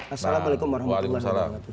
assalamualaikum warahmatullahi wabarakatuh